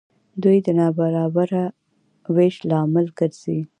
دوی د نابرابره وېش لامل ګرځي.